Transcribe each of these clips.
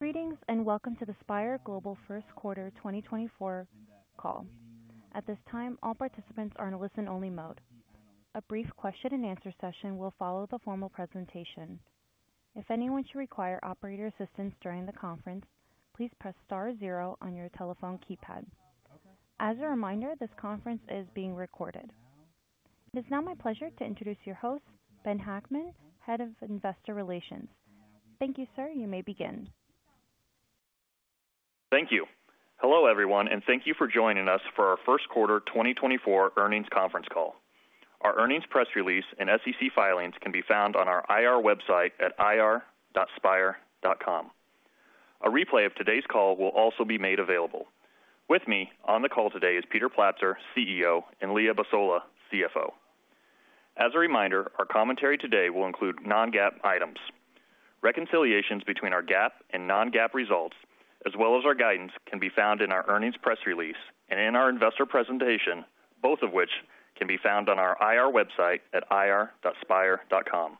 Greetings and welcome to the Spire Global First Quarter 2024 call. At this time, all participants are in a listen-only mode. A brief question-and-answer session will follow the formal presentation. If anyone should require operator assistance during the conference, please press star zero on your telephone keypad. As a reminder, this conference is being recorded. It is now my pleasure to introduce your host, Ben Hackman, Head of Investor Relations. Thank you, sir. You may begin. Thank you. Hello everyone, and thank you for joining us for our First Quarter 2024 earnings conference call. Our earnings press release and SEC filings can be found on our IR website at ir.spire.com. A replay of today's call will also be made available. With me on the call today is Peter Platzer, CEO, and Leo Basola, CFO. As a reminder, our commentary today will include non-GAAP items. Reconciliations between our GAAP and non-GAAP results, as well as our guidance, can be found in our earnings press release and in our investor presentation, both of which can be found on our IR website at ir.spire.com.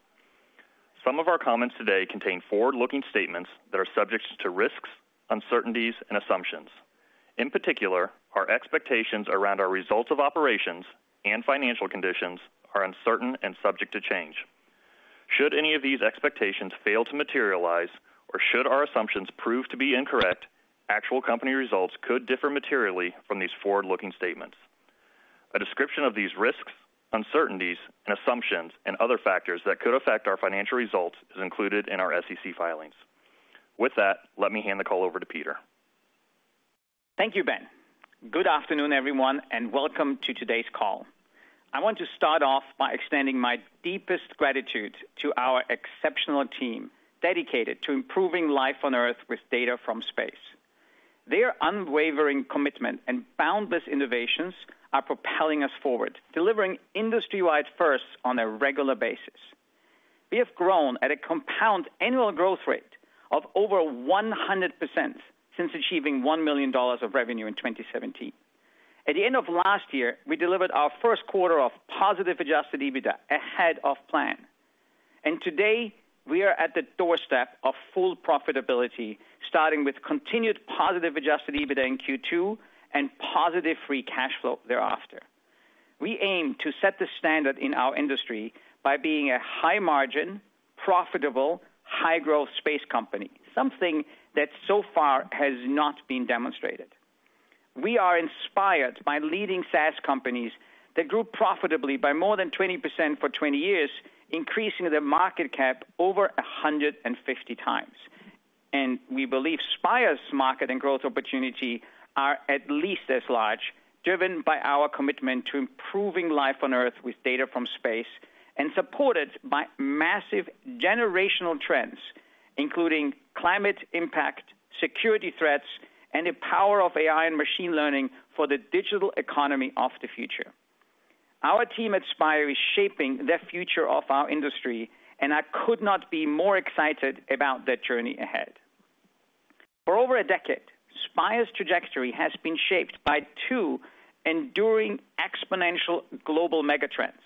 Some of our comments today contain forward-looking statements that are subject to risks, uncertainties, and assumptions. In particular, our expectations around our results of operations and financial conditions are uncertain and subject to change. Should any of these expectations fail to materialize, or should our assumptions prove to be incorrect, actual company results could differ materially from these forward-looking statements. A description of these risks, uncertainties, and assumptions, and other factors that could affect our financial results is included in our SEC filings. With that, let me hand the call over to Peter. Thank you, Ben. Good afternoon everyone, and welcome to today's call. I want to start off by extending my deepest gratitude to our exceptional team dedicated to improving life on Earth with data from space. Their unwavering commitment and boundless innovations are propelling us forward, delivering industry-wide firsts on a regular basis. We have grown at a compound annual growth rate of over 100% since achieving $1 million of revenue in 2017. At the end of last year, we delivered our first quarter of positive adjusted EBITDA ahead of plan. And today, we are at the doorstep of full profitability, starting with continued positive adjusted EBITDA in Q2 and positive free cash flow thereafter. We aim to set the standard in our industry by being a high-margin, profitable, high-growth space company, something that so far has not been demonstrated. We are inspired by leading SaaS companies that grew profitably by more than 20% for 20 years, increasing their market cap over 150x. We believe Spire's market and growth opportunity are at least as large, driven by our commitment to improving life on Earth with data from space and supported by massive generational trends, including climate impact, security threats, and the power of AI and machine learning for the digital economy of the future. Our team at Spire is shaping the future of our industry, and I could not be more excited about the journey ahead. For over a decade, Spire's trajectory has been shaped by two enduring exponential global megatrends: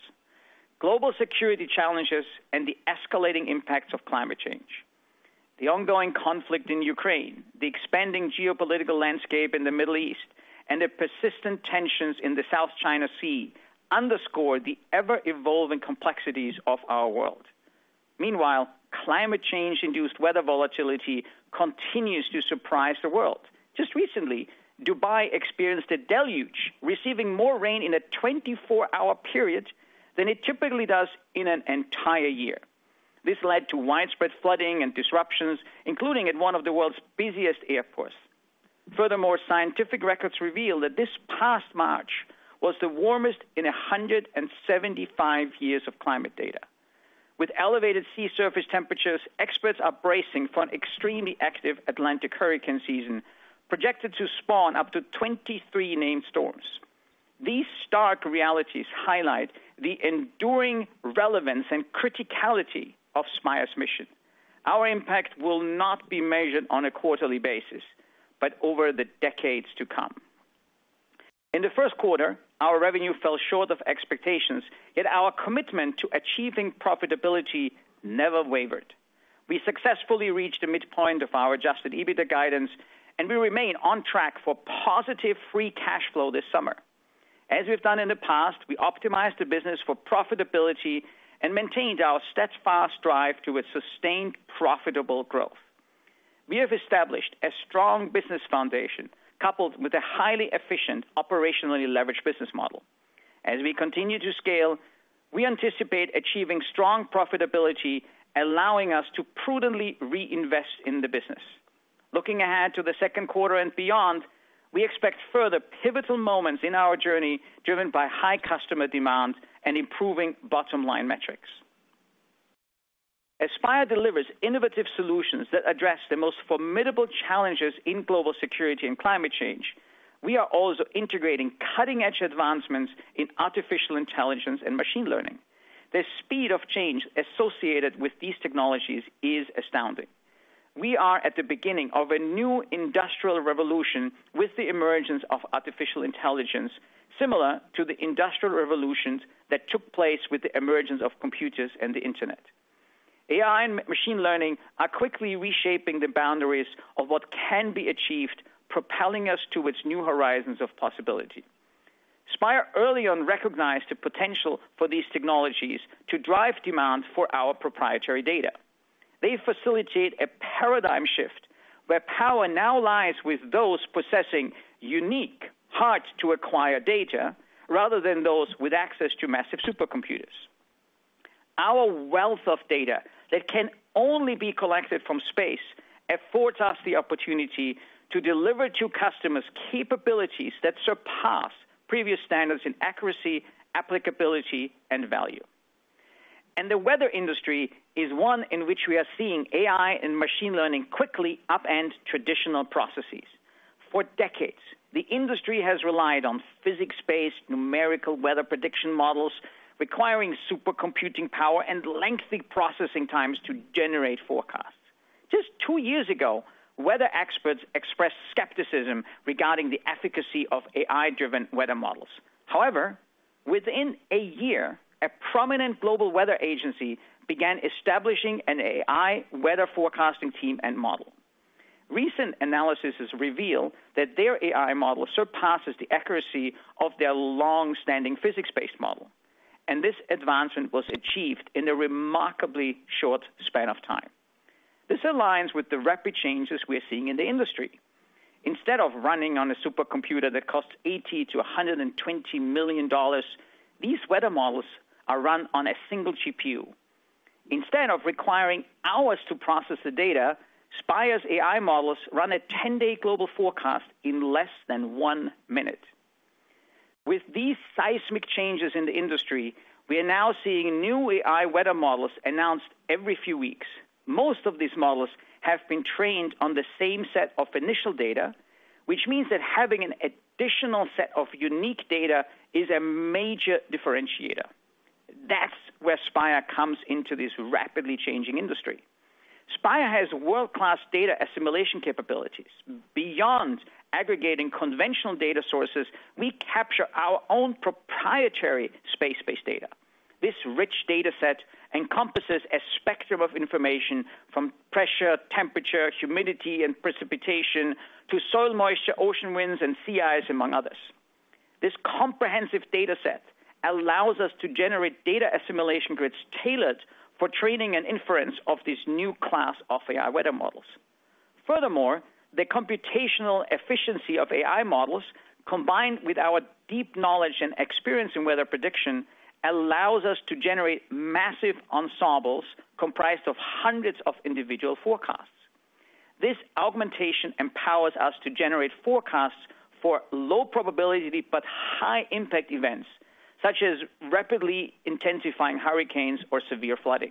global security challenges and the escalating impacts of climate change. The ongoing conflict in Ukraine, the expanding geopolitical landscape in the Middle East, and the persistent tensions in the South China Sea underscore the ever-evolving complexities of our world. Meanwhile, climate change-induced weather volatility continues to surprise the world. Just recently, Dubai experienced a deluge, receiving more rain in a 24-hour period than it typically does in an entire year. This led to widespread flooding and disruptions, including at one of the world's busiest airports. Furthermore, scientific records reveal that this past March was the warmest in 175 years of climate data. With elevated sea surface temperatures, experts are bracing for an extremely active Atlantic hurricane season projected to spawn up to 23 named storms. These stark realities highlight the enduring relevance and criticality of Spire's mission. Our impact will not be measured on a quarterly basis, but over the decades to come. In the first quarter, our revenue fell short of expectations, yet our commitment to achieving profitability never wavered. We successfully reached the midpoint of our Adjusted EBITDA guidance, and we remain on track for positive Free Cash Flow this summer. As we've done in the past, we optimized the business for profitability and maintained our steadfast drive towards sustained profitable growth. We have established a strong business foundation coupled with a highly efficient, operationally leveraged business model. As we continue to scale, we anticipate achieving strong profitability, allowing us to prudently reinvest in the business. Looking ahead to the second quarter and beyond, we expect further pivotal moments in our journey driven by high customer demand and improving bottom-line metrics. As Spire delivers innovative solutions that address the most formidable challenges in global security and climate change, we are also integrating cutting-edge advancements in artificial intelligence and machine learning. The speed of change associated with these technologies is astounding. We are at the beginning of a new industrial revolution with the emergence of artificial intelligence, similar to the industrial revolutions that took place with the emergence of computers and the Internet. AI and machine learning are quickly reshaping the boundaries of what can be achieved, propelling us towards new horizons of possibility. Spire early on recognized the potential for these technologies to drive demand for our proprietary data. They facilitate a paradigm shift where power now lies with those possessing unique, hard-to-acquire data rather than those with access to massive supercomputers. Our wealth of data that can only be collected from space affords us the opportunity to deliver to customers capabilities that surpass previous standards in accuracy, applicability, and value. The weather industry is one in which we are seeing AI and machine learning quickly upend traditional processes. For decades, the industry has relied on physics-based numerical weather prediction models requiring supercomputing power and lengthy processing times to generate forecasts. Just two years ago, weather experts expressed skepticism regarding the efficacy of AI-driven weather models. However, within a year, a prominent global weather agency began establishing an AI weather forecasting team and model. Recent analysis revealed that their AI model surpasses the accuracy of their longstanding physics-based model, and this advancement was achieved in a remarkably short span of time. This aligns with the rapid changes we are seeing in the industry. Instead of running on a supercomputer that costs $80 million-$120 million, these weather models are run on a single GPU. Instead of requiring hours to process the data, Spire's AI models run a 10-day global forecast in less than one minute. With these seismic changes in the industry, we are now seeing new AI weather models announced every few weeks. Most of these models have been trained on the same set of initial data, which means that having an additional set of unique data is a major differentiator. That's where Spire comes into this rapidly changing industry. Spire has world-class data assimilation capabilities. Beyond aggregating conventional data sources, we capture our own proprietary space-based data. This rich dataset encompasses a spectrum of information from pressure, temperature, humidity, and precipitation to soil moisture, ocean winds, and sea ice, among others. This comprehensive dataset allows us to generate data assimilation grids tailored for training and inference of this new class of AI weather models. Furthermore, the computational efficiency of AI models, combined with our deep knowledge and experience in weather prediction, allows us to generate massive ensembles comprised of hundreds of individual forecasts. This augmentation empowers us to generate forecasts for low-probability but high-impact events, such as rapidly intensifying hurricanes or severe flooding.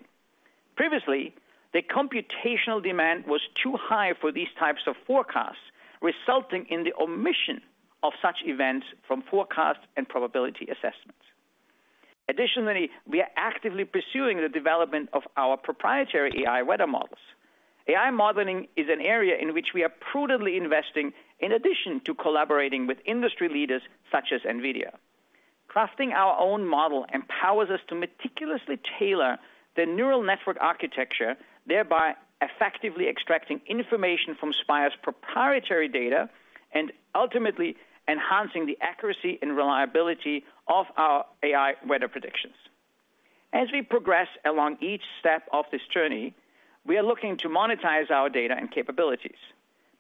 Previously, the computational demand was too high for these types of forecasts, resulting in the omission of such events from forecast and probability assessments. Additionally, we are actively pursuing the development of our proprietary AI weather models. AI modeling is an area in which we are prudently investing in addition to collaborating with industry leaders such as NVIDIA. Crafting our own model empowers us to meticulously tailor the neural network architecture, thereby effectively extracting information from Spire's proprietary data and ultimately enhancing the accuracy and reliability of our AI weather predictions. As we progress along each step of this journey, we are looking to monetize our data and capabilities.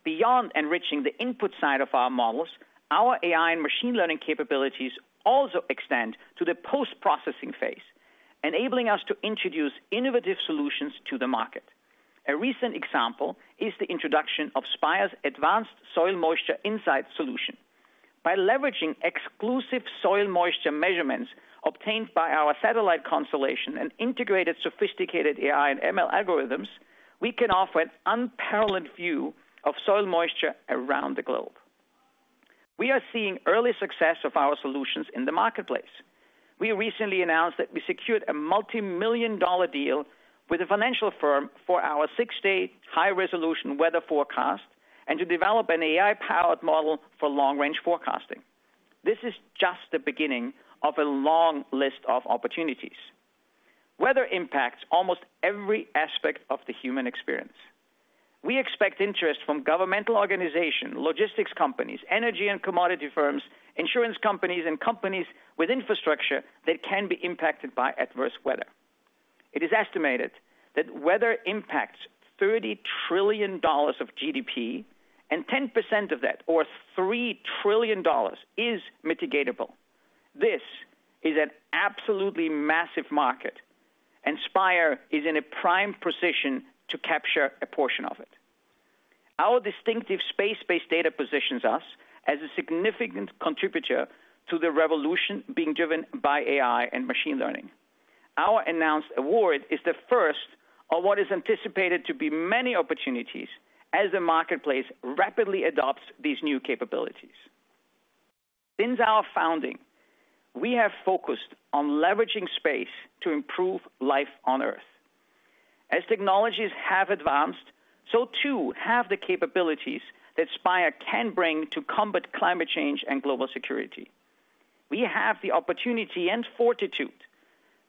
Beyond enriching the input side of our models, our AI and machine learning capabilities also extend to the post-processing phase, enabling us to introduce innovative solutions to the market. A recent example is the introduction of Spire's advanced soil moisture insight solution. By leveraging exclusive soil moisture measurements obtained by our satellite constellation and integrated sophisticated AI and ML algorithms, we can offer an unparalleled view of soil moisture around the globe. We are seeing early success of our solutions in the marketplace. We recently announced that we secured a multimillion-dollar deal with a financial firm for our six-day, high-resolution weather forecast and to develop an AI-powered model for long-range forecasting. This is just the beginning of a long list of opportunities. Weather impacts almost every aspect of the human experience. We expect interest from governmental organizations, logistics companies, energy and commodity firms, insurance companies, and companies with infrastructure that can be impacted by adverse weather. It is estimated that weather impacts $30 trillion of GDP, and 10% of that, or $3 trillion, is mitigatable. This is an absolutely massive market, and Spire is in a prime position to capture a portion of it. Our distinctive space-based data positions us as a significant contributor to the revolution being driven by AI and machine learning. Our announced award is the first of what is anticipated to be many opportunities as the marketplace rapidly adopts these new capabilities. Since our founding, we have focused on leveraging space to improve life on Earth. As technologies have advanced, so too have the capabilities that Spire can bring to combat climate change and global security. We have the opportunity and fortitude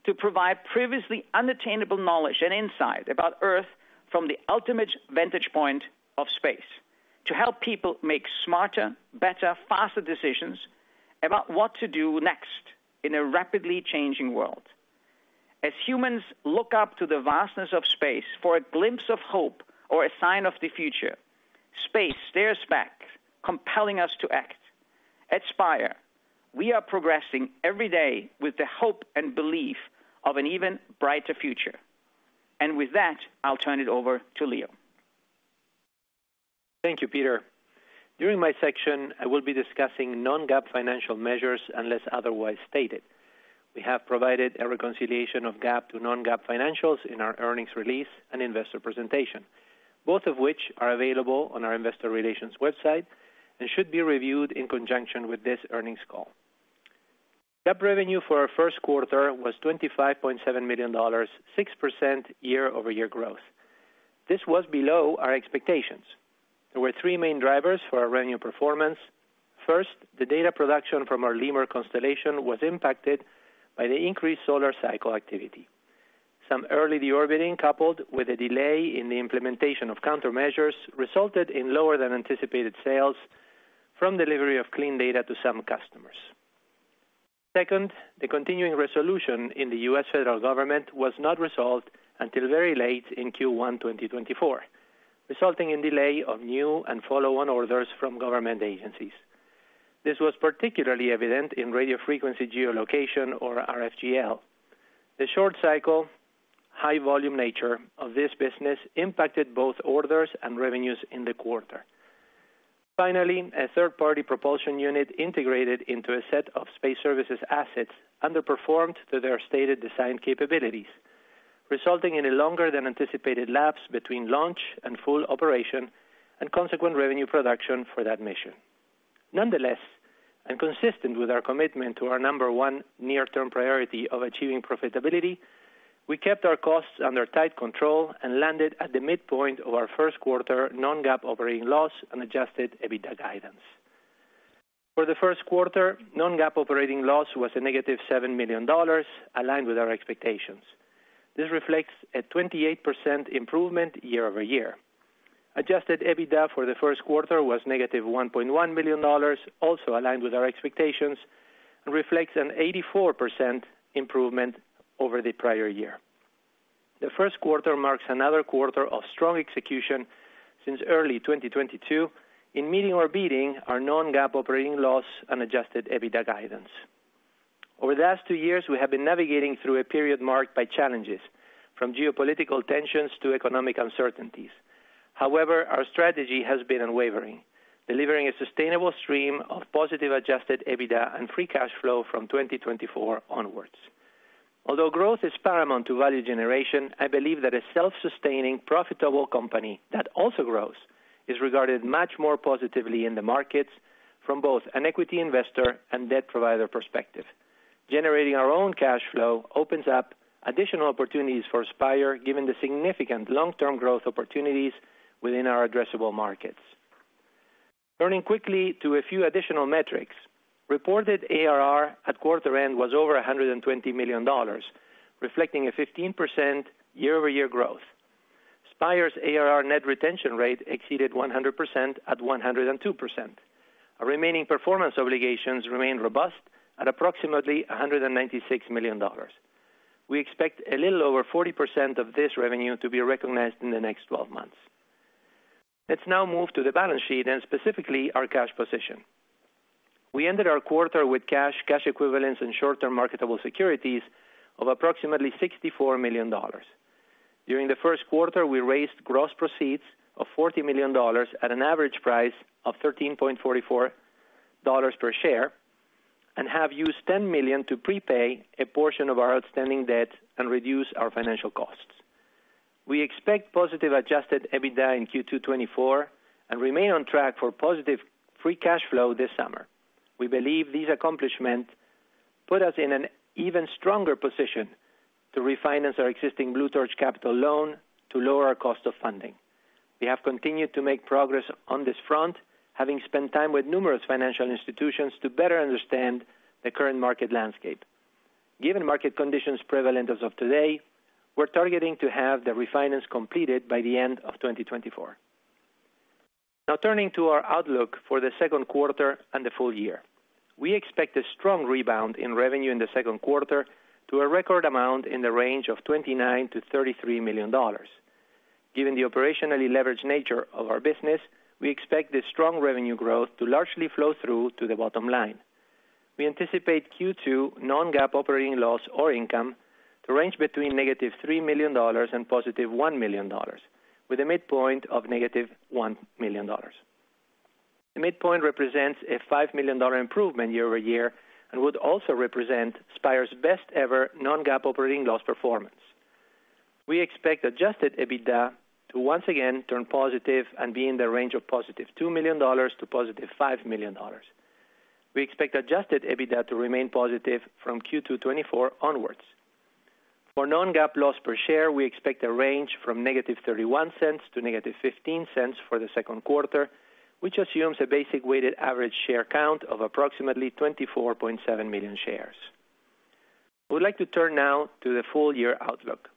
to provide previously unattainable knowledge and insight about Earth from the ultimate vantage point of space, to help people make smarter, better, faster decisions about what to do next in a rapidly changing world. As humans look up to the vastness of space for a glimpse of hope or a sign of the future, space stares back, compelling us to act. At Spire, we are progressing every day with the hope and belief of an even brighter future. With that, I'll turn it over to Leo. Thank you, Peter. During my section, I will be discussing non-GAAP financial measures unless otherwise stated. We have provided a reconciliation of GAAP to non-GAAP financials in our earnings release and investor presentation, both of which are available on our investor relations website and should be reviewed in conjunction with this earnings call. GAAP revenue for our first quarter was $25.7 million, 6% year-over-year growth. This was below our expectations. There were three main drivers for our revenue performance. First, the data production from our LEMUR constellation was impacted by the increased solar cycle activity. Some early deorbiting coupled with a delay in the implementation of countermeasures resulted in lower than anticipated sales from delivery of clean data to some customers. Second, the Continuing Resolution in the U.S. federal government was not resolved until very late in Q1 2024, resulting in delay of new and follow-on orders from government agencies. This was particularly evident in Radio Frequency Geolocation, or RFGL. The short cycle, high-volume nature of this business impacted both orders and revenues in the quarter. Finally, a third-party propulsion unit integrated into a set of space services assets underperformed to their stated design capabilities, resulting in a longer than anticipated lapse between launch and full operation and consequent revenue production for that mission. Nonetheless, and consistent with our commitment to our number one near-term priority of achieving profitability, we kept our costs under tight control and landed at the midpoint of our first quarter non-GAAP operating loss and Adjusted EBITDA guidance. For the first quarter, non-GAAP operating loss was -$7 million, aligned with our expectations. This reflects a 28% improvement year-over-year. Adjusted EBITDA for the first quarter was -$1.1 million, also aligned with our expectations, and reflects an 84% improvement over the prior year. The first quarter marks another quarter of strong execution since early 2022 in meeting or beating our non-GAAP operating loss and adjusted EBITDA guidance. Over the last two years, we have been navigating through a period marked by challenges, from geopolitical tensions to economic uncertainties. However, our strategy has been unwavering, delivering a sustainable stream of positive adjusted EBITDA and free cash flow from 2024 onwards. Although growth is paramount to value generation, I believe that a self-sustaining, profitable company that also grows is regarded much more positively in the markets from both an equity investor and debt provider perspective. Generating our own cash flow opens up additional opportunities for Spire, given the significant long-term growth opportunities within our addressable markets. Turning quickly to a few additional metrics, reported ARR at quarter-end was over $120 million, reflecting a 15% year-over-year growth. Spire's ARR net retention rate exceeded 100% at 102%. Our remaining performance obligations remain robust at approximately $196 million. We expect a little over 40% of this revenue to be recognized in the next 12 months. Let's now move to the balance sheet and specifically our cash position. We ended our quarter with cash, cash equivalents, and short-term marketable securities of approximately $64 million. During the first quarter, we raised gross proceeds of $40 million at an average price of $13.44 per share and have used $10 million to prepay a portion of our outstanding debt and reduce our financial costs. We expect positive Adjusted EBITDA in Q2 2024 and remain on track for positive Free Cash Flow this summer. We believe these accomplishments put us in an even stronger position to refinance our existing Blue Torch Capital loan to lower our cost of funding. We have continued to make progress on this front, having spent time with numerous financial institutions to better understand the current market landscape. Given market conditions prevalent as of today, we're targeting to have the refinance completed by the end of 2024. Now, turning to our outlook for the second quarter and the full year. We expect a strong rebound in revenue in the second quarter to a record amount in the range of $29million-$33 million. Given the operationally leveraged nature of our business, we expect this strong revenue growth to largely flow through to the bottom line. We anticipate Q2 non-GAAP operating loss or income to range between -$3 million and +$1 million, with a midpoint of -$1 million. The midpoint represents a $5 million improvement year-over-year and would also represent Spire's best-ever non-GAAP operating loss performance. We expect adjusted EBITDA to once again turn positive and be in the range of positive $2 million-$5 million. We expect adjusted EBITDA to remain positive from Q2 2024 onwards. For non-GAAP loss per share, we expect a range from -$0.31-$0.15 for the second quarter, which assumes a basic weighted average share count of approximately 24.7 million shares. I would like to turn now to the full-year outlook.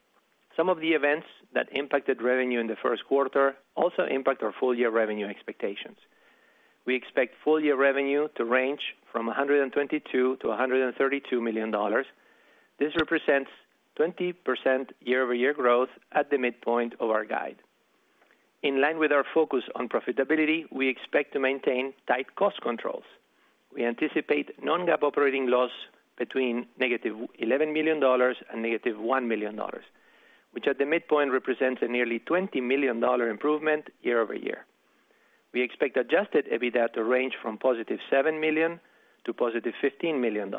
Some of the events that impacted revenue in the first quarter also impact our full-year revenue expectations. We expect full-year revenue to range from $122 million-$132 million. This represents 20% year-over-year growth at the midpoint of our guide. In line with our focus on profitability, we expect to maintain tight cost controls. We anticipate non-GAAP operating loss between -$11 million and -$1 million, which at the midpoint represents a nearly $20 million improvement year-over-year. We expect Adjusted EBITDA to range from $7 million-$15 million,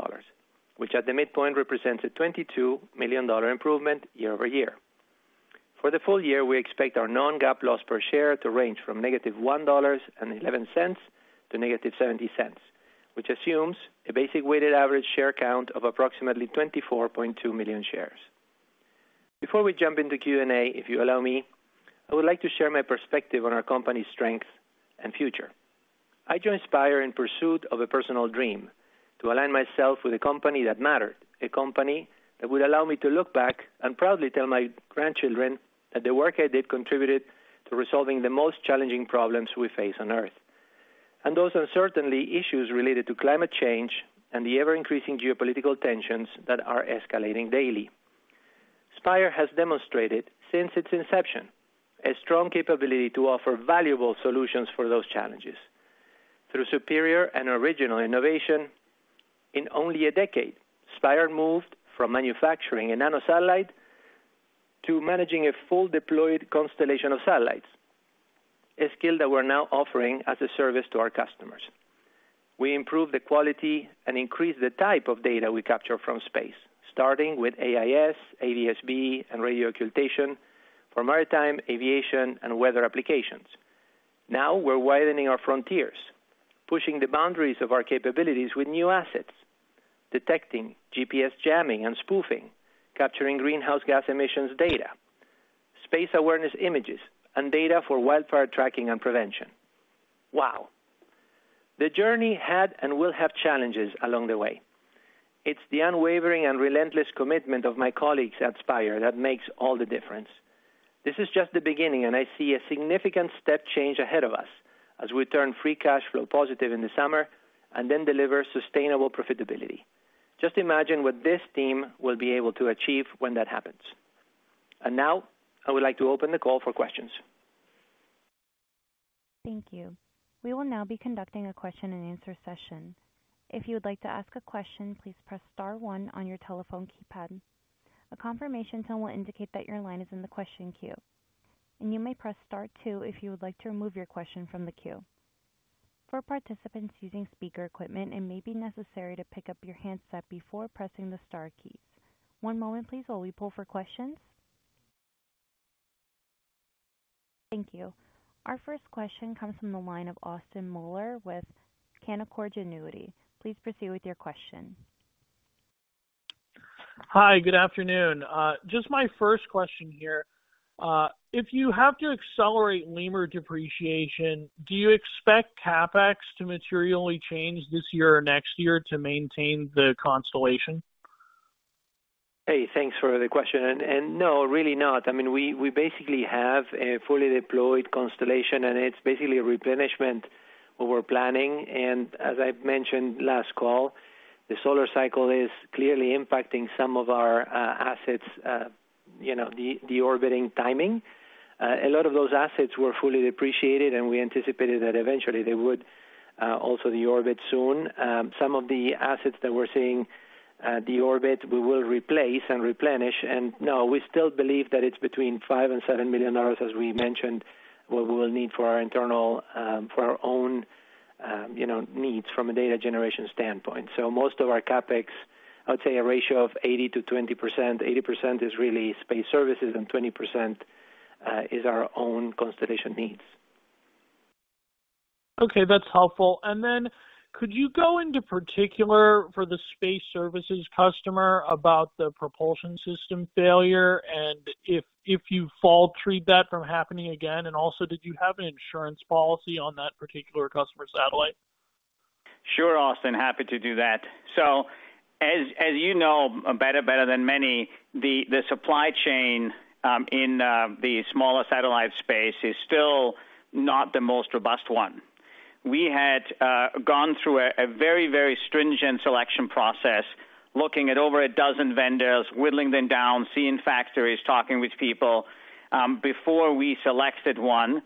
which at the midpoint represents a $22 million improvement year-over-year. For the full year, we expect our non-GAAP loss per share to range from -$1.11 to -$0.70, which assumes a basic weighted average share count of approximately 24.2 million shares. Before we jump into Q&A, if you allow me, I would like to share my perspective on our company's strengths and future. I joined Spire in pursuit of a personal dream: to align myself with a company that mattered, a company that would allow me to look back and proudly tell my grandchildren that the work I did contributed to resolving the most challenging problems we face on Earth, and those uncertainty issues related to climate change and the ever-increasing geopolitical tensions that are escalating daily. Spire has demonstrated since its inception a strong capability to offer valuable solutions for those challenges. Through superior and original innovation, in only a decade, Spire moved from manufacturing a nanosatellite to managing a fully deployed constellation of satellites, a skill that we're now offering as a service to our customers. We improved the quality and increased the type of data we capture from space, starting with AIS, ADS-B, and radio occultation for maritime, aviation, and weather applications. Now, we're widening our frontiers, pushing the boundaries of our capabilities with new assets: detecting GPS jamming and spoofing, capturing greenhouse gas emissions data, space awareness images, and data for wildfire tracking and prevention. Wow. The journey had and will have challenges along the way. It's the unwavering and relentless commitment of my colleagues at Spire that makes all the difference. This is just the beginning, and I see a significant step change ahead of us as we turn free cash flow positive in the summer and then deliver sustainable profitability. Just imagine what this team will be able to achieve when that happens. Now, I would like to open the call for questions. Thank you. We will now be conducting a question-and-answer session. If you would like to ask a question, please press star one on your telephone keypad. A confirmation tone will indicate that your line is in the question queue, and you may press star two if you would like to remove your question from the queue. For participants using speaker equipment, it may be necessary to pick up your handset before pressing the star keys. One moment, please, while we pull for questions. Thank you. Our first question comes from the line of Austin Moeller with Canaccord Genuity. Please proceed with your question. Hi, good afternoon. Just my first question here. If you have to accelerate LEMUR depreciation, do you expect CapEx to materially change this year or next year to maintain the constellation? Hey, thanks for the question. And, and no, really not. I mean, we basically have a fully deployed constellation, and it's basically a replenishment of our planning. And as I mentioned last call, the solar cycle is clearly impacting some of our assets, you know, the orbiting timing. A lot of those assets were fully depreciated, and we anticipated that eventually they would also deorbit soon. Some of the assets that we're seeing deorbit, we will replace and replenish. And no, we still believe that it's between $5 million and $7 million, as we mentioned, what we will need for our internal, for our own, you know, needs from a data generation standpoint. So most of our CapEx, I would say a ratio of 80%-20%. 80% is really space services, and 20% is our own constellation needs. Okay, that's helpful. And then could you go into in particular for the space services customer about the propulsion system failure and if you can prevent that from happening again? And also, did you have an insurance policy on that particular customer satellite? Sure, Austin. Happy to do that. So as you know better than many, the supply chain in the smaller satellite space is still not the most robust one. We had gone through a very stringent selection process looking at over a dozen vendors, whittling them down, seeing factories, talking with people, before we selected one.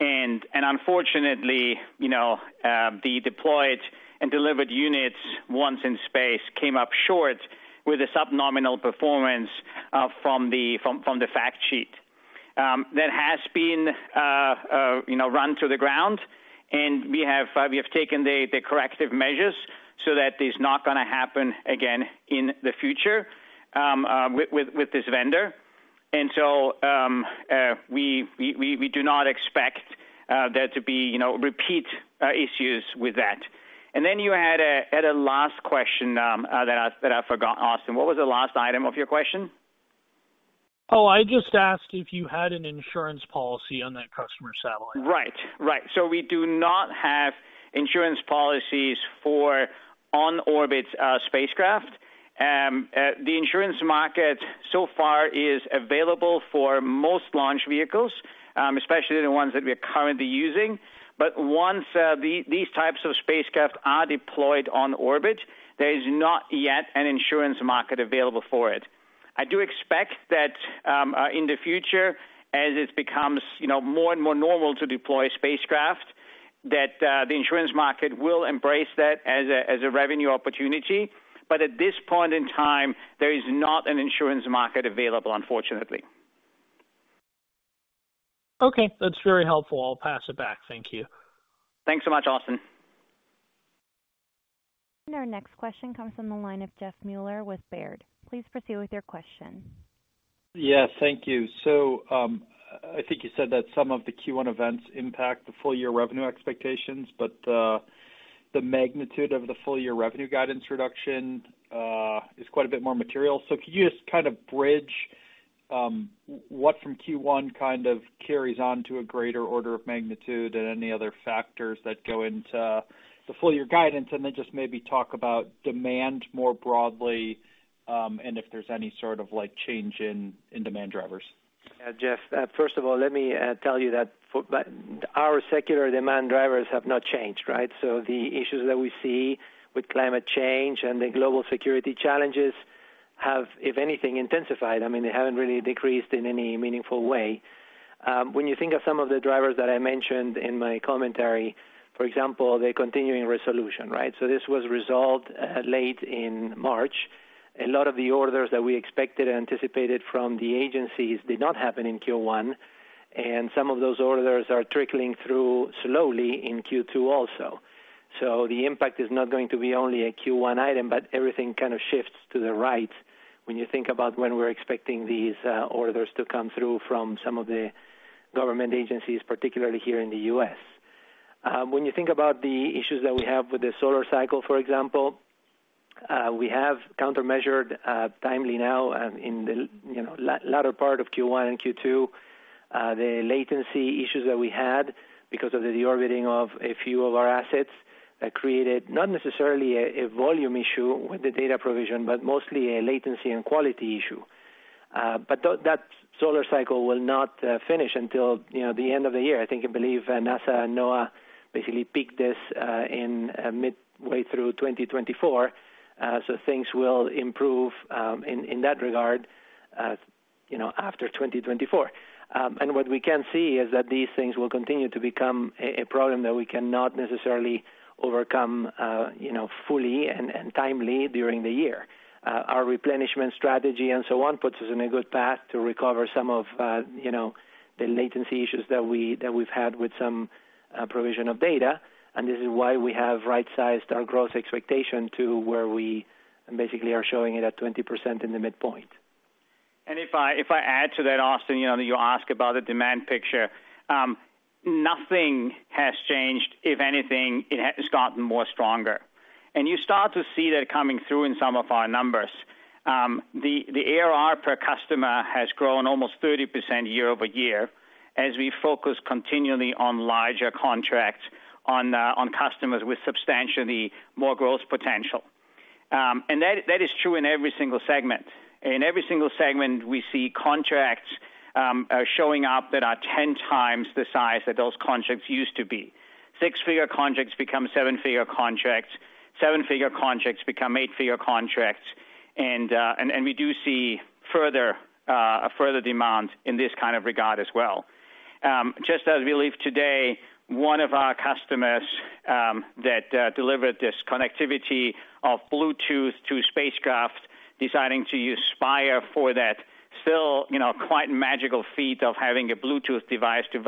And unfortunately, you know, the deployed and delivered units once in space came up short with a subnominal performance from the fact sheet that has been, you know, run to the ground, and we have taken the corrective measures so that it's not going to happen again in the future with this vendor. And so, we do not expect there to be, you know, repeat issues with that. And then you had a last question that I forgot, Austin. What was the last item of your question? Oh, I just asked if you had an insurance policy on that customer satellite. Right, right. So we do not have insurance policies for on-orbit spacecraft. The insurance market so far is available for most launch vehicles, especially the ones that we are currently using. But once these types of spacecraft are deployed on orbit, there is not yet an insurance market available for it. I do expect that, in the future, as it becomes, you know, more and more normal to deploy spacecraft, that the insurance market will embrace that as a revenue opportunity. But at this point in time, there is not an insurance market available, unfortunately. Okay, that's very helpful. I'll pass it back. Thank you. Thanks so much, Austin. Our next question comes from the line of Jeff Meuler with Baird. Please proceed with your question. Yeah, thank you. So, I think you said that some of the Q1 events impact the full-year revenue expectations, but the magnitude of the full-year revenue guidance reduction is quite a bit more material. So could you just kind of bridge what from Q1 kind of carries on to a greater order of magnitude and any other factors that go into the full-year guidance, and then just maybe talk about demand more broadly, and if there's any sort of, like, change in demand drivers? Yeah, Jeff, first of all, let me tell you that, but our secular demand drivers have not changed, right? So the issues that we see with climate change and the global security challenges have, if anything, intensified. I mean, they haven't really decreased in any meaningful way. When you think of some of the drivers that I mentioned in my commentary, for example, the Continuing Resolution, right? So this was resolved late in March. A lot of the orders that we expected and anticipated from the agencies did not happen in Q1, and some of those orders are trickling through slowly in Q2 also. So the impact is not going to be only a Q1 item, but everything kind of shifts to the right when you think about when we're expecting these orders to come through from some of the government agencies, particularly here in the US. When you think about the issues that we have with the solar cycle, for example, we have countermeasured timely now in the latter part of Q1 and Q2 the latency issues that we had because of the deorbiting of a few of our assets that created not necessarily a volume issue with the data provision, but mostly a latency and quality issue. But though that solar cycle will not finish until, you know, the end of the year. I think and believe NASA and NOAA basically peaked this in midway through 2024. So things will improve in that regard, you know, after 2024. And what we can see is that these things will continue to become a problem that we cannot necessarily overcome, you know, fully and timely during the year. Our replenishment strategy and so on puts us on a good path to recover some of, you know, the latency issues that we've had with some provision of data. This is why we have right-sized our growth expectation to where we basically are showing it at 20% in the midpoint. If I add to that, Austin, you know, that you asked about the demand picture, nothing has changed, if anything, it has gotten more stronger. You start to see that coming through in some of our numbers. The ARR per customer has grown almost 30% year-over-year as we focus continually on larger contracts, on customers with substantially more growth potential. And that is true in every single segment. In every single segment, we see contracts showing up that are 10x the size that those contracts used to be. Six-figure contracts become seven-figure contracts. Seven-figure contracts become eight-figure contracts. And we do see further demand in this kind of regard as well. Just as we leave today, one of our customers that delivered this connectivity of Bluetooth to spacecraft, deciding to use Spire for that, still, you know, quite magical feat of having a Bluetooth device to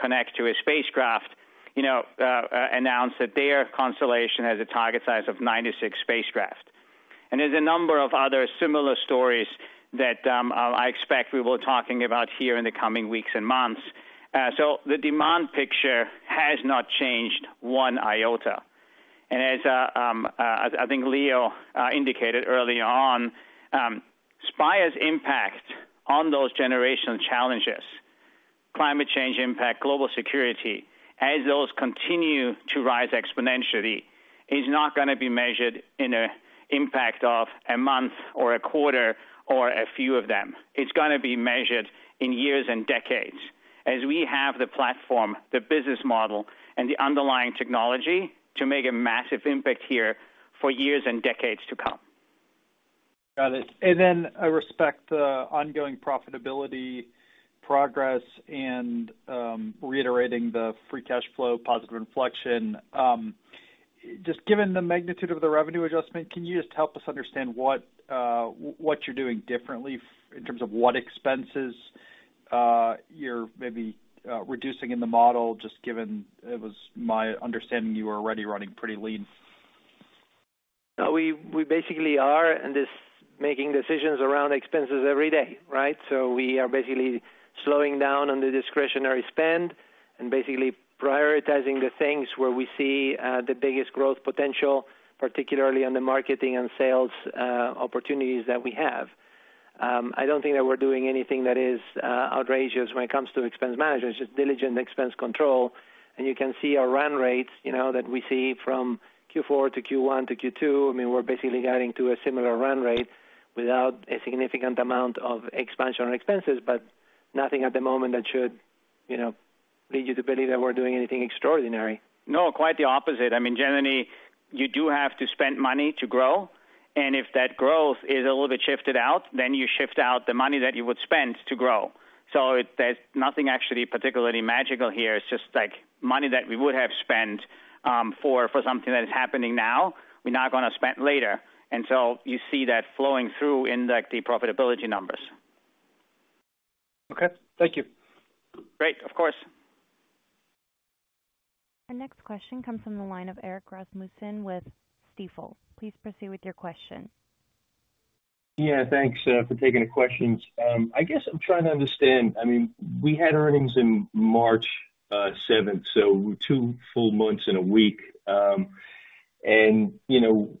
connect to a spacecraft, you know, announced that their constellation has a target size of 96 spacecraft. And there's a number of other similar stories that I expect we will be talking about here in the coming weeks and months. So the demand picture has not changed one iota. As I think Leo indicated earlier on, Spire's impact on those generational challenges, climate change impact, global security, as those continue to rise exponentially, it's not going to be measured in an impact of a month or a quarter or a few of them. It's going to be measured in years and decades as we have the platform, the business model, and the underlying technology to make a massive impact here for years and decades to come. Got it. And then I respect the ongoing profitability progress and, reiterating the free cash flow positive inflection. Just given the magnitude of the revenue adjustment, can you just help us understand what, what you're doing differently in terms of what expenses, you're maybe, reducing in the model, just given it was my understanding you were already running pretty lean? No, we basically are in this making decisions around expenses every day, right? So we are basically slowing down on the discretionary spend and basically prioritizing the things where we see the biggest growth potential, particularly on the marketing and sales opportunities that we have. I don't think that we're doing anything that is outrageous when it comes to expense management. It's just diligent expense control. And you can see our run rates, you know, that we see from Q4 to Q1 to Q2. I mean, we're basically getting to a similar run rate without a significant amount of expansion on expenses, but nothing at the moment that should you know lead you to believe that we're doing anything extraordinary. No, quite the opposite. I mean, generally, you do have to spend money to grow. If that growth is a little bit shifted out, then you shift out the money that you would spend to grow. There's nothing actually particularly magical here. It's just, like, money that we would have spent for something that is happening now. We're not going to spend later. You see that flowing through in, like, the profitability numbers. Okay. Thank you. Great. Of course. Our next question comes from the line of Erik Rasmussen with Stifel. Please proceed with your question. Yeah, thanks for taking the questions. I guess I'm trying to understand. I mean, we had earnings in March 7th, so two full months in a week. And you know,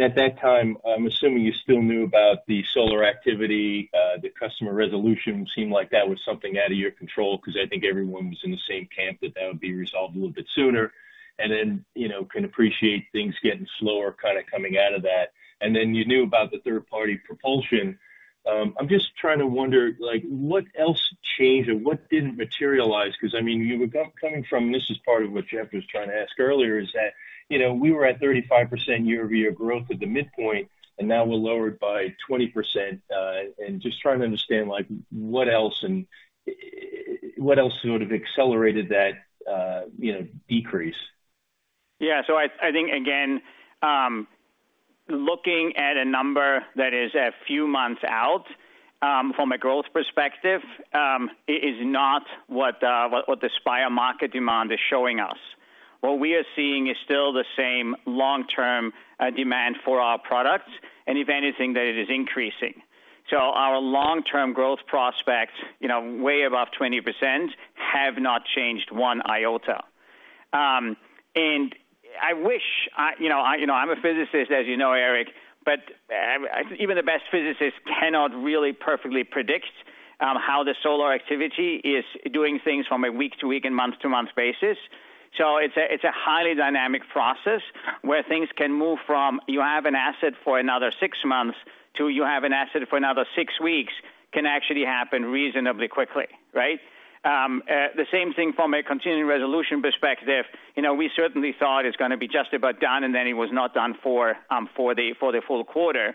at that time, I'm assuming you still knew about the solar activity. The customer resolution seemed like that was something out of your control because I think everyone was in the same camp that that would be resolved a little bit sooner and then, you know, can appreciate things getting slower kind of coming out of that. And then you knew about the third-party propulsion. I'm just trying to wonder, like, what else changed or what didn't materialize? Because, I mean, you were coming from and this is part of what Jeff was trying to ask earlier, is that, you know, we were at 35% year-over-year growth at the midpoint, and now we're lowered by 20%. just trying to understand, like, what else and what else sort of accelerated that, you know, decrease? Yeah, so I think, again, looking at a number that is a few months out, from a growth perspective, it is not what the Spire market demand is showing us. What we are seeing is still the same long-term demand for our products and if anything, that it is increasing. So our long-term growth prospects, you know, way above 20%, have not changed one iota. And I wish, you know, I'm a physicist, as you know, Erik, but even the best physicists cannot really perfectly predict how the solar activity is doing things from a week-to-week and month-to-month basis. So it's a highly dynamic process where things can move from you have an asset for another six months to you have an asset for another six weeks can actually happen reasonably quickly, right? The same thing from a Continuing Resolution perspective. You know, we certainly thought it's going to be just about done, and then it was not done for the full quarter.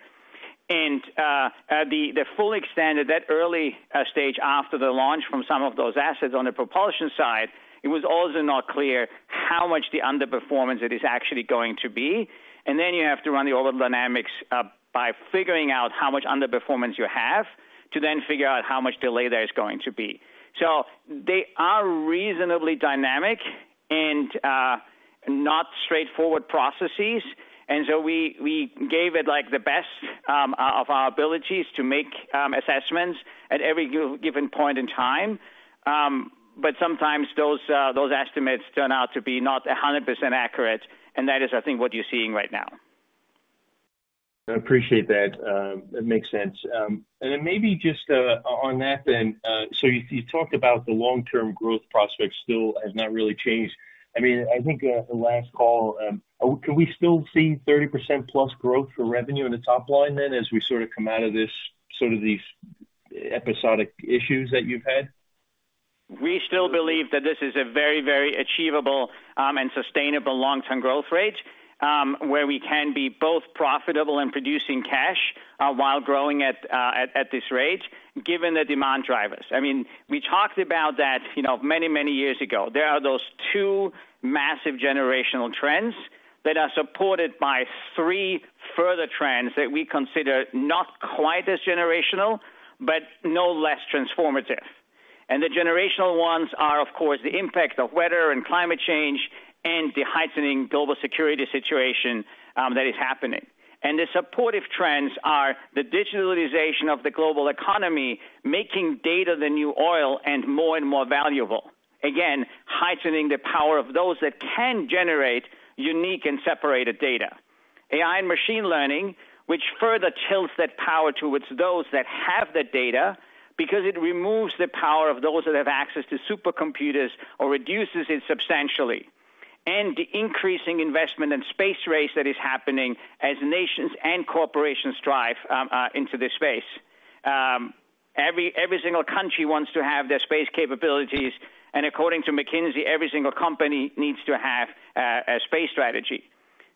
And the full extent of that early stage after the launch from some of those assets on the propulsion side, it was also not clear how much underperformance it is actually going to be. And then you have to run the orbital dynamics by figuring out how much underperformance you have to then figure out how much delay there is going to be. So they are reasonably dynamic and not straightforward processes. And so we gave it, like, the best of our abilities to make assessments at every given point in time. But sometimes those estimates turn out to be not 100% accurate. That is, I think, what you're seeing right now. I appreciate that. That makes sense. And then maybe just, on that then, so you talked about the long-term growth prospects still has not really changed. I mean, I think, the last call, can we still see 30%+ growth for revenue in the top line then as we sort of come out of this sort of these episodic issues that you've had? We still believe that this is a very, very achievable and sustainable long-term growth rate, where we can be both profitable and producing cash, while growing at this rate given the demand drivers. I mean, we talked about that, you know, many, many years ago. There are those two massive generational trends that are supported by three further trends that we consider not quite as generational, but no less transformative. And the generational ones are, of course, the impact of weather and climate change and the heightening global security situation that is happening. And the supportive trends are the digitalization of the global economy, making data the new oil and more and more valuable, again, heightening the power of those that can generate unique and separated data. AI and machine learning, which further tilts that power towards those that have that data because it removes the power of those that have access to supercomputers or reduces it substantially. And the increasing investment and space race that is happening as nations and corporations strive into this space. Every single country wants to have their space capabilities. And according to McKinsey, every single company needs to have a space strategy.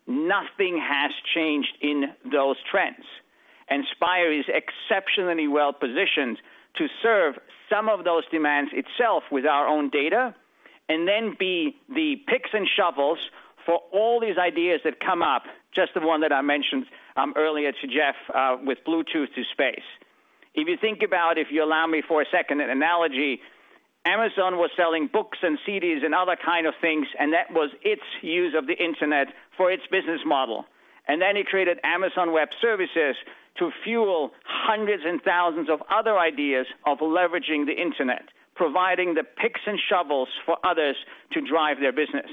Nothing has changed in those trends. And Spire is exceptionally well positioned to serve some of those demands itself with our own data and then be the picks and shovels for all these ideas that come up, just the one that I mentioned earlier to Jeff, with Bluetooth to space. If you think about, if you allow me for a second, an analogy, Amazon was selling books and CDs and other kinds of things, and that was its use of the internet for its business model. And then it created Amazon Web Services to fuel hundreds and thousands of other ideas of leveraging the internet, providing the picks and shovels for others to drive their business.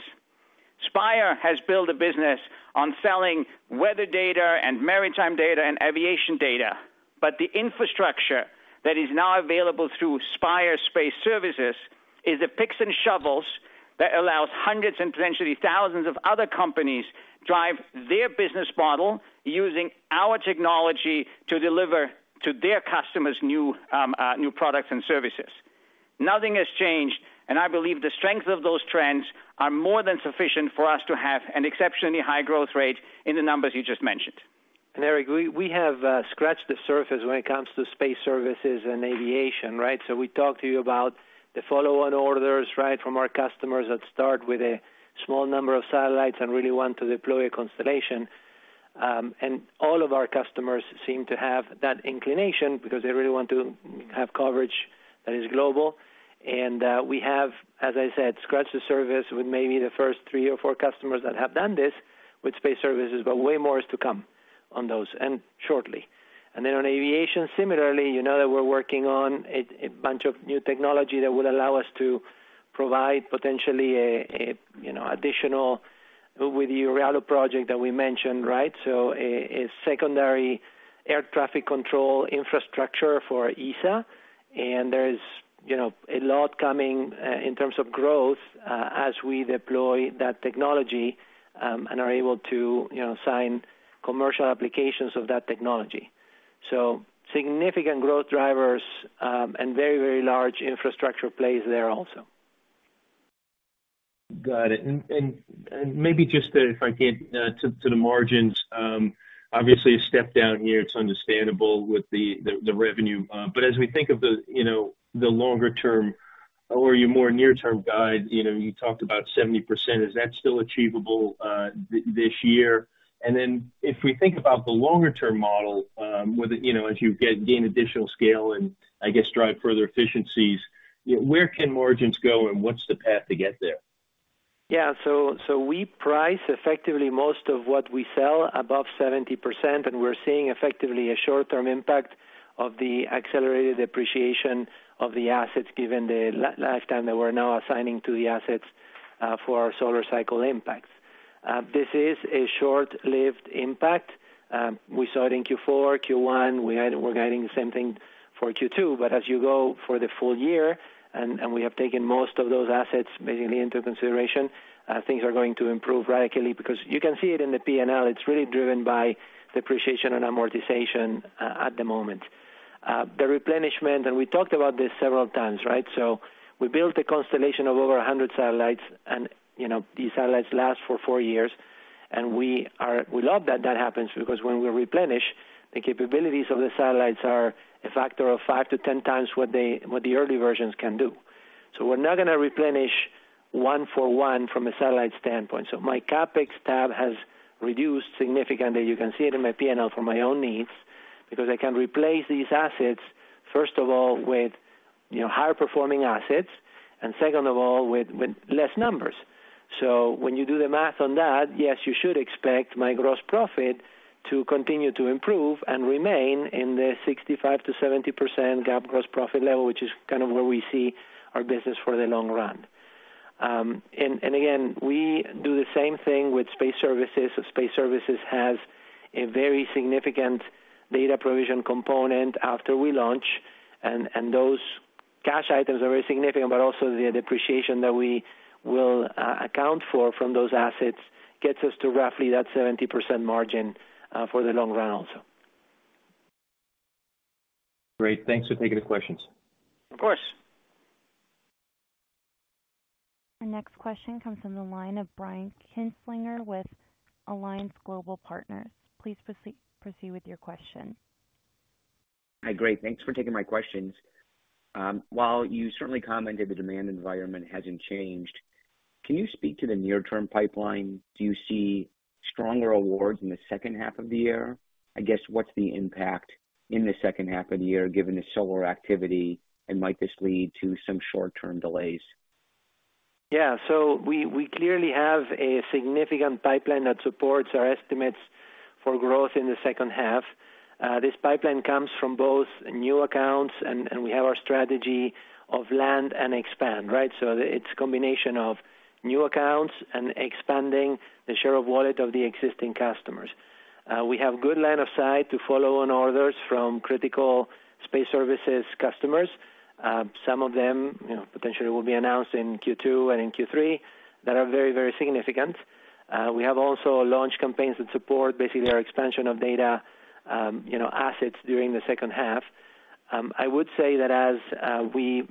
Spire has built a business on selling weather data and maritime data and aviation data. But the infrastructure that is now available through Spire Space Services is the picks and shovels that allows hundreds and potentially thousands of other companies to drive their business model using our technology to deliver to their customers new, new products and services. Nothing has changed. I believe the strength of those trends are more than sufficient for us to have an exceptionally high growth rate in the numbers you just mentioned. And Erik, we have scratched the surface when it comes to space services and aviation, right? So we talked to you about the follow-on orders, right, from our customers that start with a small number of satellites and really want to deploy a constellation. And all of our customers seem to have that inclination because they really want to have coverage that is global. And we have, as I said, scratched the surface with maybe the first three or four customers that have done this with space services, but way more is to come on those and shortly. And then on aviation, similarly, you know that we're working on a bunch of new technology that will allow us to provide potentially a you know additional with the EURIALO project that we mentioned, right? So, a secondary air traffic control infrastructure for ESA. There is, you know, a lot coming, in terms of growth, as we deploy that technology, and are able to, you know, sign commercial applications of that technology. Significant growth drivers, and very, very large infrastructure plays there also. Got it. And maybe just to, if I can, to the margins, obviously a step down here, it's understandable with the revenue. But as we think of the, you know, the longer-term or your more near-term guide, you know, you talked about 70%. Is that still achievable, this year? And then if we think about the longer-term model, with it, you know, as you gain additional scale and, I guess, drive further efficiencies, you know, where can margins go and what's the path to get there? Yeah, so, so we price effectively most of what we sell above 70%. And we're seeing effectively a short-term impact of the accelerated depreciation of the assets given the lifetime that we're now assigning to the assets, for our solar cycle impacts. This is a short-lived impact. We saw it in Q4, Q1. We're getting the same thing for Q2. But as you go for the full year and, and we have taken most of those assets basically into consideration, things are going to improve radically because you can see it in the P&L. It's really driven by depreciation and amortization, at the moment. The replenishment, and we talked about this several times, right? So we built a constellation of over 100 satellites. And, you know, these satellites last for four years. We love that that happens because when we replenish, the capabilities of the satellites are a factor of five to 10x what the early versions can do. So we're not going to replenish one for one from a satellite standpoint. So my CapEx has reduced significantly. You can see it in my P&L for my own needs because I can replace these assets, first of all, with, you know, higher-performing assets and second of all, with less numbers. So when you do the math on that, yes, you should expect my gross profit to continue to improve and remain in the 65%-70% gap gross profit level, which is kind of where we see our business for the long run. And again, we do the same thing with space services. Space services has a very significant data provision component after we launch. And those cash items are very significant, but also the depreciation that we will account for from those assets gets us to roughly that 70% margin, for the long run also. Great. Thanks for taking the questions. Of course. Our next question comes from the line of Brian Kinstlinger with Alliance Global Partners. Please proceed with your question. Hi, great. Thanks for taking my questions. While you certainly commented the demand environment hasn't changed, can you speak to the near-term pipeline? Do you see stronger awards in the second half of the year? I guess what's the impact in the second half of the year given the solar activity, and might this lead to some short-term delays? Yeah, so we clearly have a significant pipeline that supports our estimates for growth in the second half. This pipeline comes from both new accounts, and we have our strategy of land and expand, right? So it's a combination of new accounts and expanding the share of wallet of the existing customers. We have good line of sight to follow on orders from critical space services customers. Some of them, you know, potentially will be announced in Q2 and in Q3 that are very, very significant. We have also launch campaigns that support basically our expansion of data, you know, assets during the second half. I would say that as we,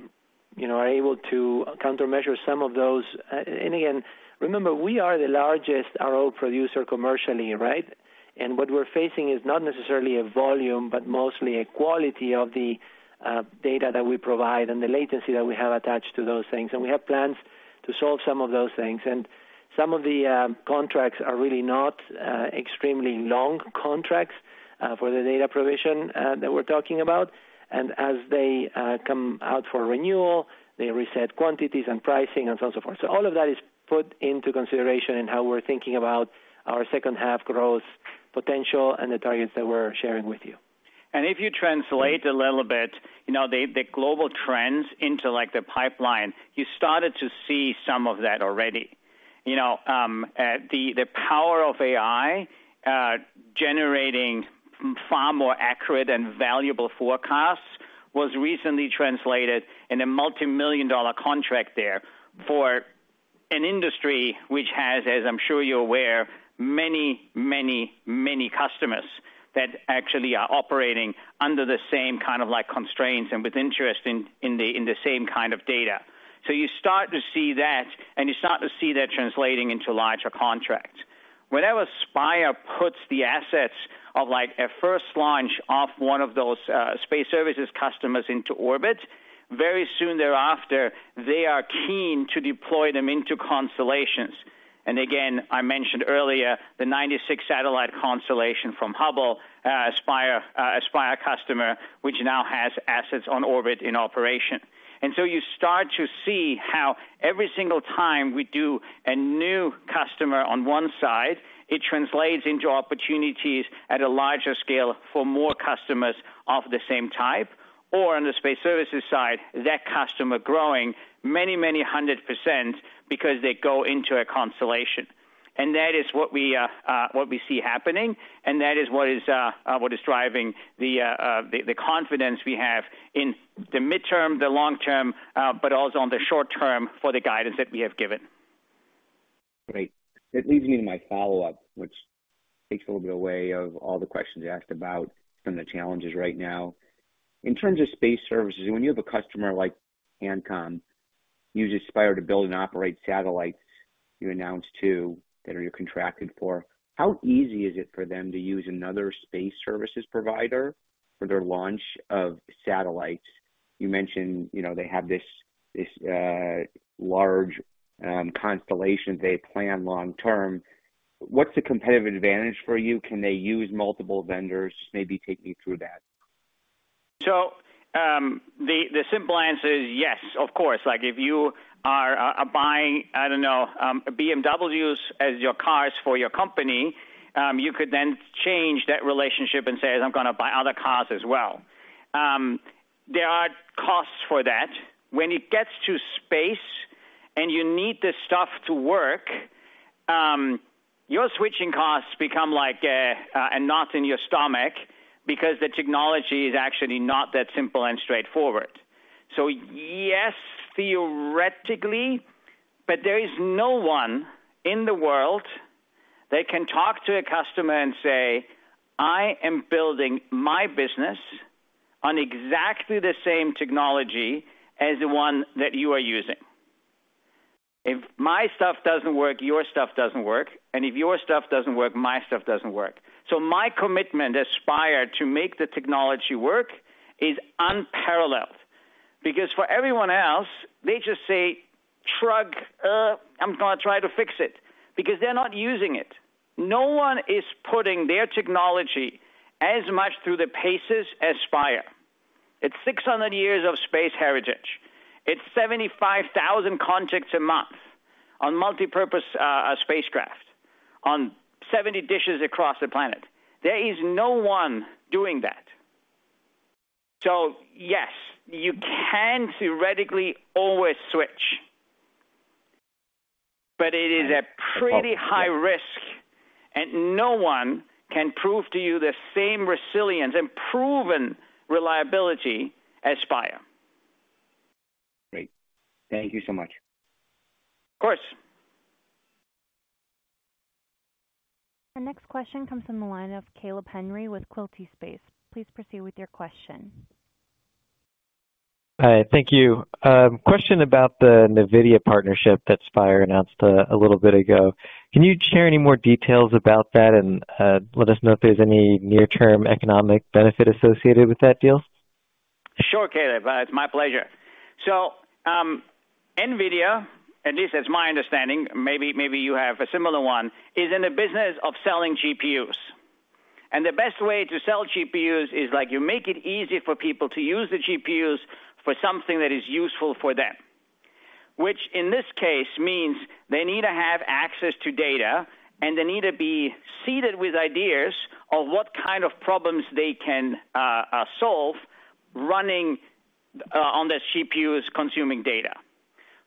you know, are able to countermeasure some of those and again, remember, we are the largest RO producer commercially, right? What we're facing is not necessarily a volume, but mostly a quality of the data that we provide and the latency that we have attached to those things. We have plans to solve some of those things. Some of the contracts are really not extremely long contracts for the data provision that we're talking about. As they come out for renewal, they reset quantities and pricing and so on and so forth. So all of that is put into consideration in how we're thinking about our second-half growth potential and the targets that we're sharing with you. If you translate a little bit, you know, the global trends into, like, the pipeline, you started to see some of that already. You know, the power of AI, generating far more accurate and valuable forecasts was recently translated in a multimillion-dollar contract there for an industry which has, as I'm sure you're aware, many, many, many customers that actually are operating under the same kind of, like, constraints and with interest in the same kind of data. So you start to see that, and you start to see that translating into larger contracts. Whenever Spire puts the assets of, like, a first launch off one of those, space services customers into orbit, very soon thereafter, they are keen to deploy them into constellations. And again, I mentioned earlier the 96 satellite constellation from Hubble, a Spire customer which now has assets on orbit in operation. So you start to see how every single time we do a new customer on one side, it translates into opportunities at a larger scale for more customers of the same type. Or on the space services side, that customer growing many, many 100% because they go into a constellation. And that is what we see happening. And that is what is driving the confidence we have in the midterm, the long-term, but also on the short term for the guidance that we have given. Great. That leads me to my follow-up, which takes a little bit away from all the questions you asked about some of the challenges right now. In terms of space services, when you have a customer like Hubble Network that uses Spire to build and operate satellites you announced that you are contracted for, how easy is it for them to use another space services provider for their launch of satellites? You mentioned, you know, they have this, this, large, constellation they plan long-term. What's the competitive advantage for you? Can they use multiple vendors? Just maybe take me through that. So, the simple answer is yes, of course. Like, if you are buying, I don't know, BMWs as your cars for your company, you could then change that relationship and say, "As I'm going to buy other cars as well." There are costs for that. When it gets to space and you need this stuff to work, your switching costs become like, a knot in your stomach because the technology is actually not that simple and straightforward. So yes, theoretically, but there is no one in the world that can talk to a customer and say, "I am building my business on exactly the same technology as the one that you are using." If my stuff doesn't work, your stuff doesn't work. And if your stuff doesn't work, my stuff doesn't work. So my commitment as Spire to make the technology work is unparalleled because for everyone else, they just say, "Look, I'm going to try to fix it," because they're not using it. No one is putting their technology as much through the paces as Spire. It's 600 years of space heritage. It's 75,000 contacts a month on multipurpose spacecraft on 70 dishes across the planet. There is no one doing that. So yes, you can theoretically always switch, but it is a pretty high risk. And no one can prove to you the same resilience and proven reliability as Spire. Great. Thank you so much. Of course. Our next question comes from the line of Caleb Henry with Quilty Space. Please proceed with your question. Hi, thank you. Question about the NVIDIA partnership that Spire announced a little bit ago. Can you share any more details about that and let us know if there's any near-term economic benefit associated with that deal? Sure, Caleb. It's my pleasure. So, NVIDIA, at least that's my understanding, maybe, maybe you have a similar one, is in the business of selling GPUs. And the best way to sell GPUs is, like, you make it easy for people to use the GPUs for something that is useful for them, which in this case means they need to have access to data, and they need to be seated with ideas of what kind of problems they can solve running on those GPUs consuming data.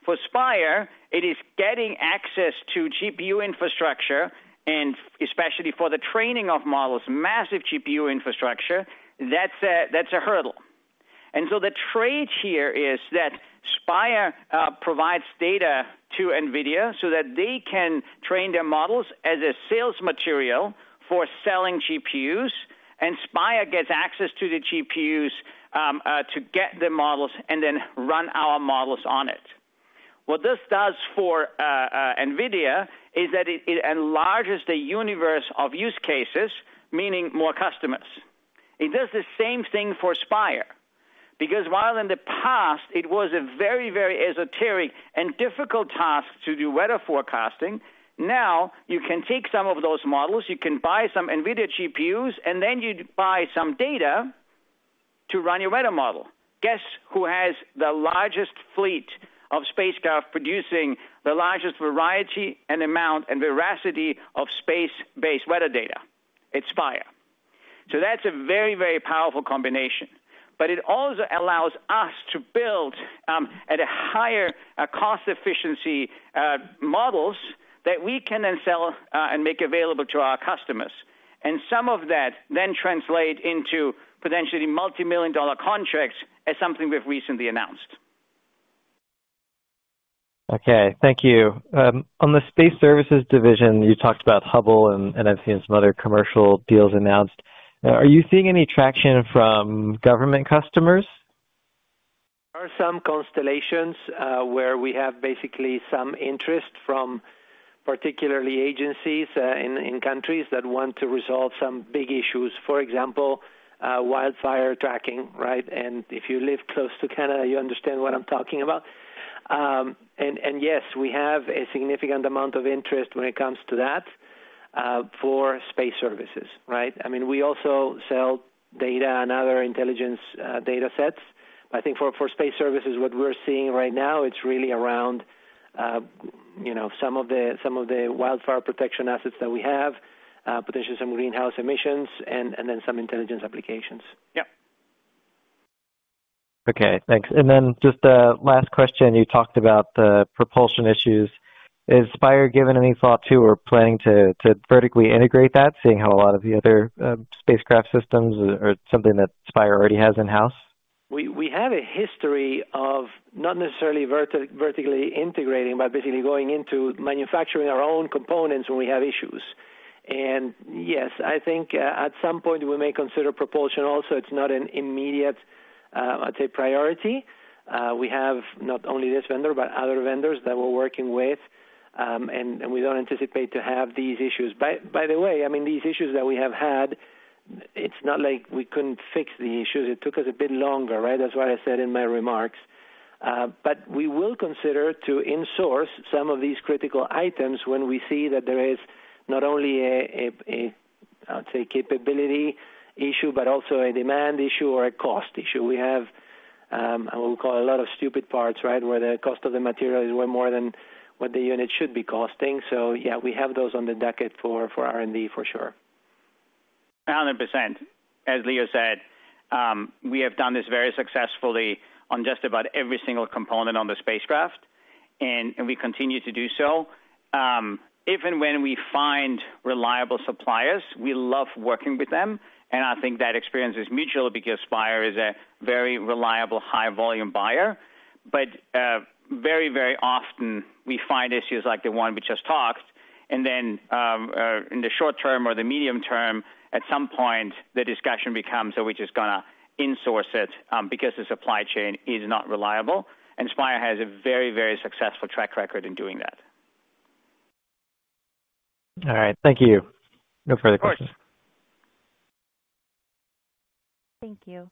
For Spire, it is getting access to GPU infrastructure, and especially for the training of models, massive GPU infrastructure, that's a that's a hurdle. And so the trade here is that Spire provides data to NVIDIA so that they can train their models as a sales material for selling GPUs. Spire gets access to the GPUs to get the models and then run our models on it. What this does for NVIDIA is that it enlarges the universe of use cases, meaning more customers. It does the same thing for Spire because while in the past, it was a very, very esoteric and difficult task to do weather forecasting, now you can take some of those models, you can buy some NVIDIA GPUs, and then you buy some data to run your weather model. Guess who has the largest fleet of spacecraft producing the largest variety and amount and veracity of space-based weather data? It's Spire. So that's a very, very powerful combination. But it also allows us to build, at a higher cost efficiency, models that we can then sell and make available to our customers. Some of that then translates into potentially multimillion-dollar contracts as something we've recently announced. Okay, thank you. On the space services division, you talked about Hubble, and, and I've seen some other commercial deals announced. Are you seeing any traction from government customers? There are some constellations, where we have basically some interest from particularly agencies, in countries that want to resolve some big issues. For example, wildfire tracking, right? And if you live close to Canada, you understand what I'm talking about. And yes, we have a significant amount of interest when it comes to that, for space services, right? I mean, we also sell data and other intelligence, data sets. But I think for space services, what we're seeing right now, it's really around, you know, some of the wildfire protection assets that we have, potentially some greenhouse emissions, and then some intelligence applications. Yep. Okay, thanks. And then just the last question, you talked about the propulsion issues. Is Spire given any thought to or planning to vertically integrate that, seeing how a lot of the other spacecraft systems are something that Spire already has in-house? We have a history of not necessarily vertically integrating, but basically going into manufacturing our own components when we have issues. And yes, I think, at some point, we may consider propulsion also. It's not an immediate, I'd say, priority. We have not only this vendor, but other vendors that we're working with, and we don't anticipate to have these issues. By the way, I mean, these issues that we have had, it's not like we couldn't fix the issues. It took us a bit longer, right? That's what I said in my remarks. But we will consider to insource some of these critical items when we see that there is not only a, I'd say, capability issue, but also a demand issue or a cost issue. We have, what we call a lot of stupid parts, right, where the cost of the material is way more than what the unit should be costing. So yeah, we have those on the docket for R&D for sure. 100%. As Leo said, we have done this very successfully on just about every single component on the spacecraft, and we continue to do so. If and when we find reliable suppliers, we love working with them. And I think that experience is mutual because Spire is a very reliable, high-volume buyer. But, very, very often, we find issues like the one we just talked, and then, in the short term or the medium term, at some point, the discussion becomes, "So we're just going to insource it, because the supply chain is not reliable." And Spire has a very, very successful track record in doing that. All right, thank you. No further questions. Of course. Thank you.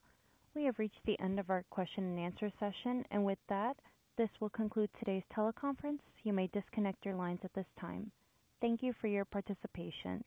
We have reached the end of our question-and-answer session. With that, this will conclude today's teleconference. You may disconnect your lines at this time. Thank you for your participation.